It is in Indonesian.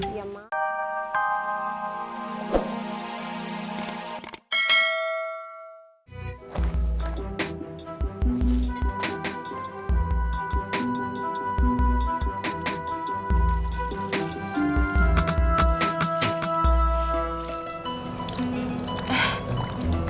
iya emangnya dulu